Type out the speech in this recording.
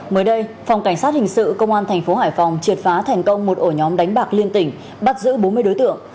mới đây phòng cảnh sát hình sự công an thành phố hải phòng triệt phá thành công một ổ nhóm đánh bạc liên tỉnh bắt giữ bốn mươi đối tượng